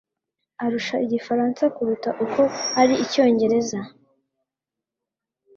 arusha igifaransa kuruta uko ari icyongereza.